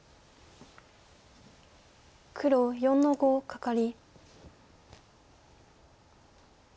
黒４の五カカリ。